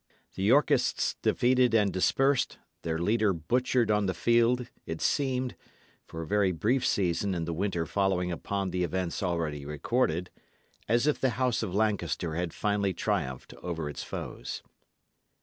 The Yorkists defeated and dispersed, their leader butchered on the field, it seemed, for a very brief season in the winter following upon the events already recorded, as if the House of Lancaster had finally triumphed over its foes.